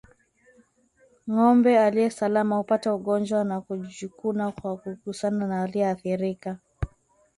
Ngombe aliye salama hupata ugonjwa wa kujikuna kwa kugusana na aliyeathirika